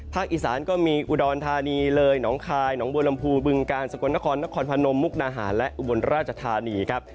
อีสานก็มีอุดรธานีเลยหนองคายหนองบัวลำพูบึงกาลสกลนครนครพนมมุกนาหารและอุบลราชธานีครับ